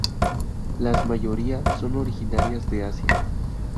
Las mayoría son originarias de Asia.